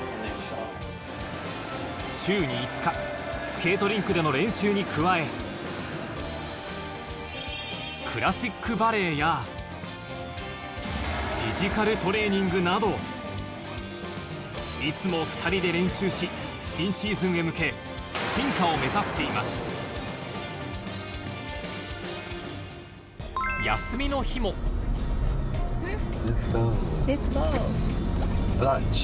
スケートリンクでの練習に加えフィジカルトレーニングなどいつも２人で練習し新シーズンへ向け進化を目指していますランチ。